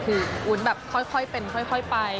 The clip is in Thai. คือวุ้นแบบค่อยเป็นค่อยไป